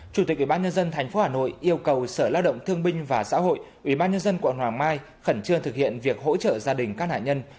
chủ tịch ubnd tp hà nội yêu cầu sở lao động thương binh và xã hội ubnd quận hoàng mai khẩn trương thực hiện việc hỗ trợ gia đình các nạn nhân